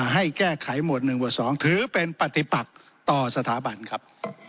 ให้แก้ไขหมวดหนึ่งหรือสองถือเป็นปฏิปักต่อสถาบันครับ